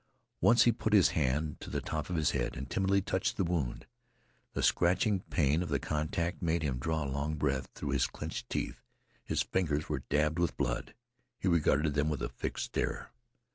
Once he put his hand to the top of his head and timidly touched the wound. The scratching pain of the contact made him draw a long breath through his clinched teeth. His fingers were dabbled with blood. He regarded them with a fixed stare.